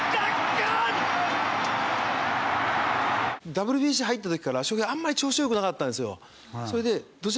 ＷＢＣ入った時から翔平あんまり調子良くなかったんですよ。